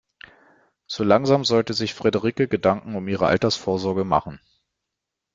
So langsam sollte sich Frederike Gedanken um ihre Altersvorsorge machen.